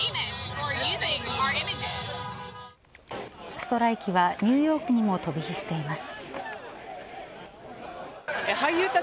ストライキはニューヨークにも飛び火しています。